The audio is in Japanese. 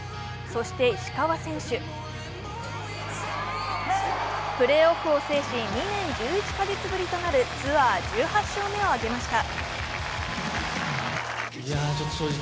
そして石川選手、プレーオフを制し、２年１１か月ぶりとなるツアー１８勝目を挙げました。